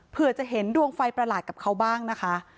เพื่อจะเห็นดวงไฟประหลาดกับเขาบ้างนะคะ